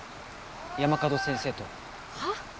山門先生とはっ？